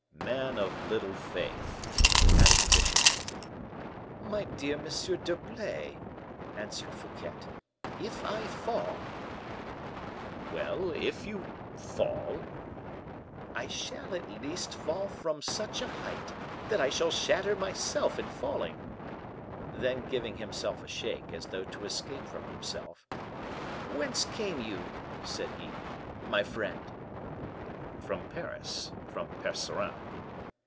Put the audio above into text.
"Man of little faith!" added the bishop. "My dear M. d'Herblay," answered Fouquet, "if I fall " "Well; if you 'fall'?" "I shall, at least, fall from such a height, that I shall shatter myself in falling." Then giving himself a shake, as though to escape from himself, "Whence came you," said he, "my friend?" "From Paris from Percerin."